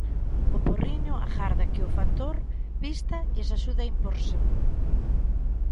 O Porriño agarda que o factor pista lles axude a imporse.